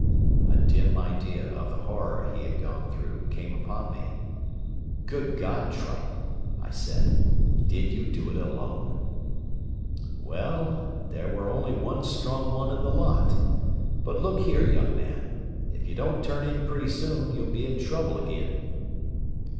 A dim idea of the horror he had gone through came upon me. "Good God, Trunnell," I said, "did you do it alone?" "Well, there ware only one strong one in the lot but look here, young man, if ye don't turn in pretty soon, ye'll be in trouble agin."